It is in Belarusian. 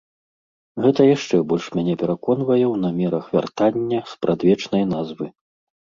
Гэта яшчэ больш мяне пераконвае ў намерах вяртання спрадвечнай назвы.